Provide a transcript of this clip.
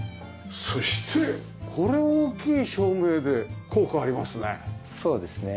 そしてこれ大きい照明で効果ありますね。